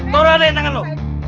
tunggu ada yang tangan lu